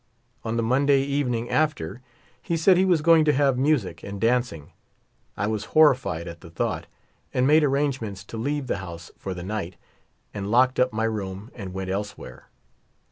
On the Monday even ing after, he said he was going to have music and danc ing. I was horrified at the thought, and made arrange ments to leave the house for the night, and locked up my room and went elsewhere.